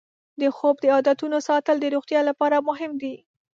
د خوب د عادتونو ساتل د روغتیا لپاره مهم دی.